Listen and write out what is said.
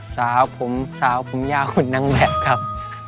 สาวผมสาวผมยาวคนนางแบบครับ